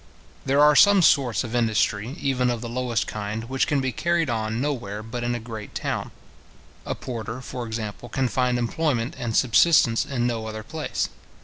There are some sorts of industry, even of the lowest kind, which can be carried on nowhere but in a great town. A porter, for example, can find employment and subsistence in no other place.